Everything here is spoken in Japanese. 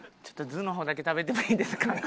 ちょっと「ず」の方だけ食べてもいいですか？